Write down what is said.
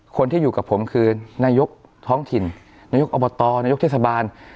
คนที่อยู่กับผมคือนายกท้องถิ่นนายกอบตนายกเทศบาล